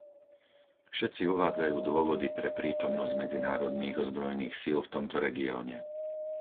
Všetci uvádzajú dôvody pre prítomnosť medzinárodných ozbrojených síl v tomto regióne.